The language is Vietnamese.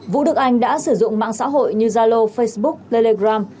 vũ đức anh đã sử dụng mạng xã hội như zalo facebook telegram